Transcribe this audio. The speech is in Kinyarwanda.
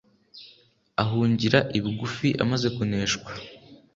ahungira i Bugufi amaze kuneshwa.